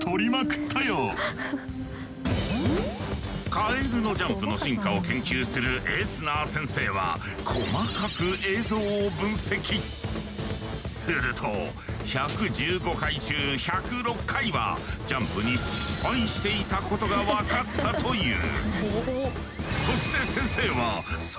カエルのジャンプの進化を研究するエスナー先生はすると１１５回中１０６回はジャンプに失敗していたことが分かったという。